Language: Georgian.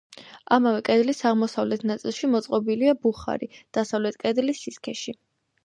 ამავე კედლის აღოსავლეთ ნაწილში მოწყობილია ბუხარი დასავლეთ კედლის სისქეში.